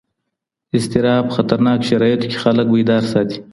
اضطراب خطرناک شرایطو کې خلک بیدار ساتي.